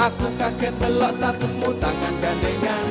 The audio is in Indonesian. aku kaget melek statusmu tangan gandengan